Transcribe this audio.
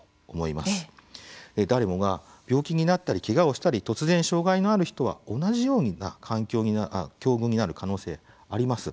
誰もが病気になったりけがをしたり突然障害のある人は同じような境遇になる可能性あります。